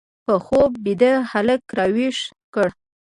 په خوب بیده هلک راویښ کړ